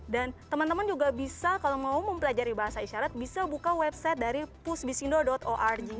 dan teman teman juga bisa kalau mau mempelajari bahasa isyarat bisa buka website dari pusbisindo org